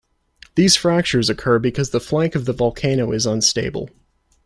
These fractures occur because the flank of the volcano is unstable.